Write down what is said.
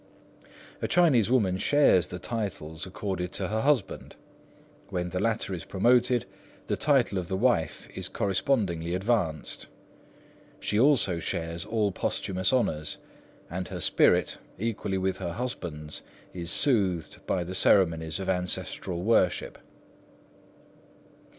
A Chinese woman shares the titles accorded to her husband. When the latter is promoted, the title of the wife is correspondingly advanced. She also shares all posthumous honours, and her spirit, equally with her husband's, is soothed by the ceremonies of ancestral worship.